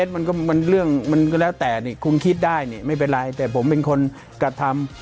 มันก็มันเรื่องมันก็แล้วแต่นี่คุณคิดได้นี่ไม่เป็นไรแต่ผมเป็นคนกระทำ